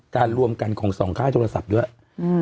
การรวมกันของสองค่ายโทรศัพท์เยอะอืม